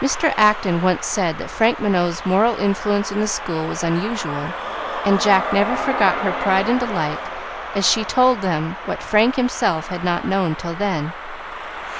Mr. Acton once said that Frank Minot's moral influence in the school was unusual, and Jack never forgot her pride and delight as she told them what Frank himself had not known till then.